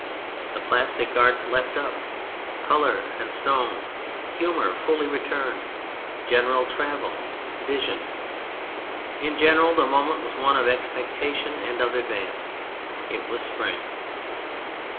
The plastic arts leapt up: Color and Stone. Humor fully returned: general travel: vision. In general, the moment was one of expectation and of advance. It was spring.